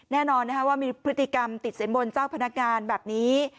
แน่นอนว่ามีพฤติกรรมติดสินบนเจ้าพนักงานแบบนี้